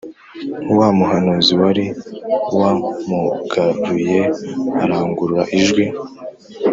wa muhanuzi wari wamugaruye arangurura ijwi